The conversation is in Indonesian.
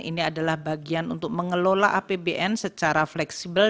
ini adalah bagian untuk mengelola apbn secara fleksibel